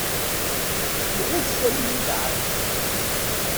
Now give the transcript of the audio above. Iɣuc Sami ibeɛɛac.